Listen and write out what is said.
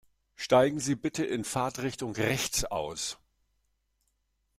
Steigen Sie bitte in Fahrtrichtung rechts aus.